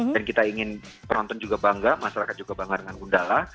dan kita ingin penonton juga bangga masyarakat juga bangga dengan gundala